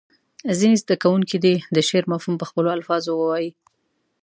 ځینې زده کوونکي دې د شعر مفهوم په خپلو الفاظو ووایي.